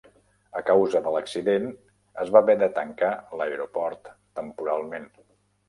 A causa de l'accident es va haver de tancar l'aeroport temporalment